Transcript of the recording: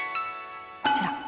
こちら。